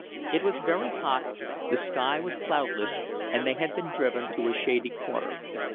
It was very hot, the sky was cloudless, and they had been driven to a shady corner.